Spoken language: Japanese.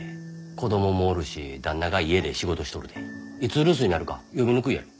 子供もおるし旦那が家で仕事しとるでいつ留守になるか読みにくいやろ。